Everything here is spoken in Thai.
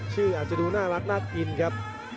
ชื่ออาจจะดูน่ารักน่ากินครับ